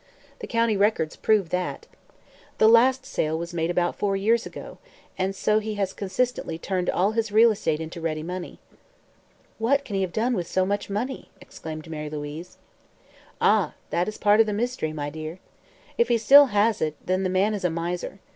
The county records prove that. The last sale was made about four years ago, so he has consistently turned all his real estate into ready money." "What can he have done with so much money?" exclaimed Mary Louise. "Ah, that is part of the mystery, my dear. If he still has it, then the man is a miser.